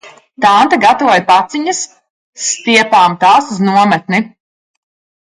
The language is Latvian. Tante gatavoja paciņas, stiepām tās uz nometni.